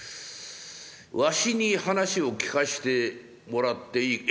わしに話を聞かせてもらっていい？」。